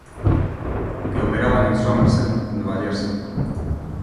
Que operaban en Somerset, Nueva Jersey.